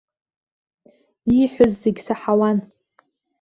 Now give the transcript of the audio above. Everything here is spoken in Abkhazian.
Ииҳәоз зегь саҳауан.